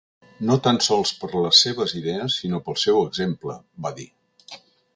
No tan sols per les seves idees, sinó pel seu exemple, va dir.